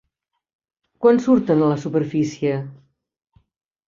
Quan surten a la superfície?